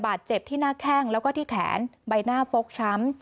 เจ็บที่หน้าแข้งแล้วก็ที่แขนใบหน้าฟกช้ำ